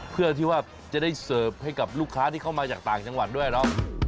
เพื่อที่ว่าจะได้เสิร์ฟให้กับลูกค้าที่เข้ามาจากต่างจังหวัดด้วยเนาะ